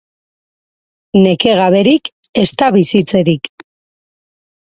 Neke gaberik, ez da bizitzerik.